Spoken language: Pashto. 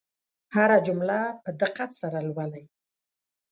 هره جمله په دقت سره لولئ.